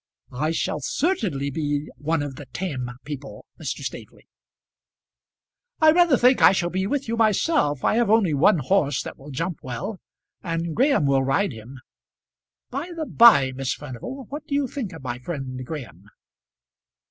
"I shall certainly be one of the tame people, Mr. Staveley." "I rather think I shall be with you myself; I have only one horse that will jump well, and Graham will ride him. By the by, Miss Furnival, what do you think of my friend Graham?"